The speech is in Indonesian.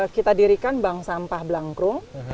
kita dirikan bank sampah blangkrung